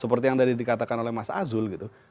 seperti yang tadi dikatakan oleh mas azul gitu